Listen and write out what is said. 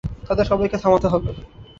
তাদের সবাইকে থামাতে হবে।